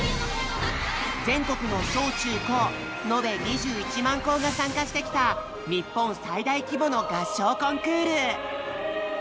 全国の小・中・高のべ２１万校が参加してきた日本最大規模の合唱コンクール！